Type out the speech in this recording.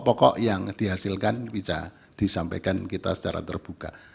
pokok yang dihasilkan bisa disampaikan kita secara terbuka